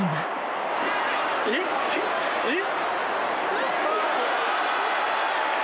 えっ？えっ？